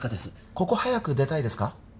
ここ早く出たいですか？